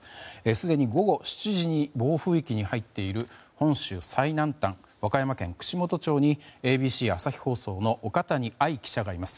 すでに午後７時に暴風域に入っている本州最南端の和歌山県串本町にＡＢＣ朝日放送の岡谷藍記者がいます。